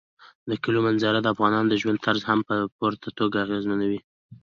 د کلیزو منظره د افغانانو د ژوند طرز هم په پوره توګه اغېزمنوي.